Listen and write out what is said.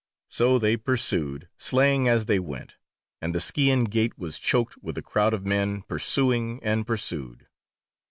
So they pursued, slaying as they went, and the Scaean gate was choked with the crowd of men, pursuing and pursued.